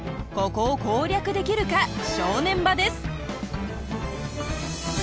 ここを攻略できるか正念場です。